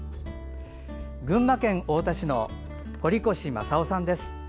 群馬県太田市の堀越政雄さんです。